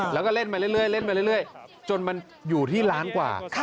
แล้วก็เล่นมาเรื่อยจนมันอยู่ที่ล้านกว่า